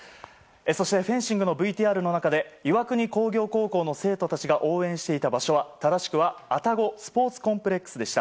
そしてフェンシングのＶＴＲの中で岩国工業高校の生徒たちが応援していた場所は正しくは愛宕スポーツコンプレックスでした。